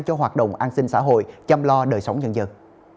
cho hoạt động an sinh xã hội chăm lo đời sống nhân dân